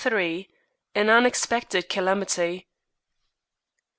AN UNEXPECTED CALAMITY.